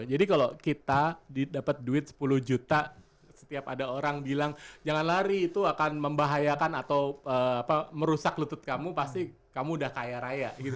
jadi kalau kita dapet duit sepuluh juta setiap ada orang bilang jangan lari itu akan membahayakan atau merusak lutut kamu pasti kamu udah kaya raya gitu